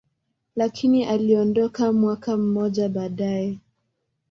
lakini aliondoka mwaka mmoja baadaye.